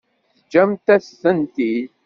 Teǧǧam-as-tent-id.